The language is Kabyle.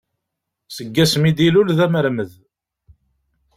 Seg wasmi i d-ilul d amermed.